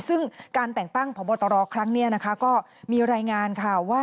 ซึ่งการแต่งตั้งพบตรครั้งนี้นะคะก็มีรายงานค่ะว่า